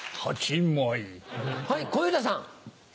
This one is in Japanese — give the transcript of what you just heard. はい小遊三さん。